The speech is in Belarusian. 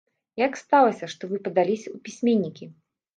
Як сталася, што вы падаліся ў пісьменнікі?